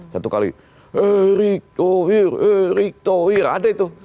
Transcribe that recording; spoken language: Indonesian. satu kali erick thohir erick thohir ada itu